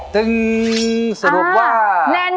ตึงสรุปว่า